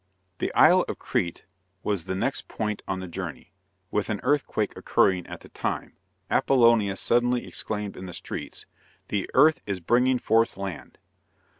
The Isle of Crete was the next point on the journey, and an earthquake occurring at the time, Apollonius suddenly exclaimed in the streets: "The earth is bringing forth land."